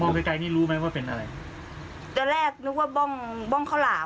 ไกลไกลนี่รู้ไหมว่าเป็นอะไรตอนแรกนึกว่าบ้องบ้องข้าวหลาม